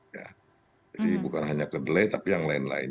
jadi bukan hanya kedelai tapi yang lain lain